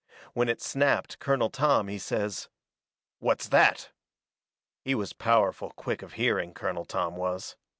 When it snapped Colonel Tom he says: "What's that?" He was powerful quick of hearing, Colonel Tom was.